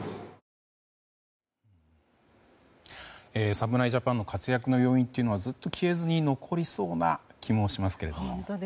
侍ジャパンの活躍の余韻はずっと消えずに残りそうな気もしますけど。